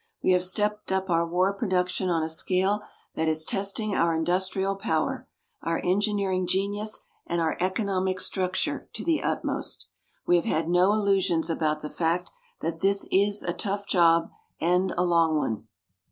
We have stepped up our war production on a scale that is testing our industrial power, our engineering genius and our economic structure to the utmost. We have had no illusions about the fact that this is a tough job and a long one.